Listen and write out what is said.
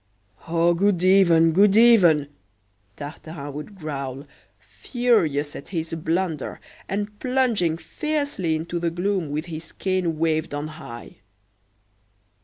"Oh, good even, good even!" Tartarin would growl, furious at his blunder, and plunging fiercely into the gloom with his cane waved on high.